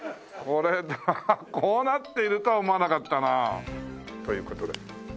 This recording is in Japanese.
ハハッこうなっているとは思わなかったな。という事でじゃあ